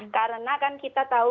karena kan kita tahu